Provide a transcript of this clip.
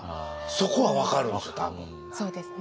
そこは分かるんですよ